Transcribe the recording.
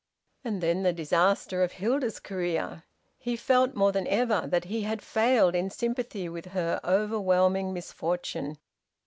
And then the disaster of Hilda's career! He felt, more than ever, that he had failed in sympathy with her overwhelming misfortune.